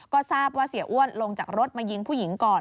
ก็ทราบว่าเสียอ้วนลงจากรถมายิงผู้หญิงก่อน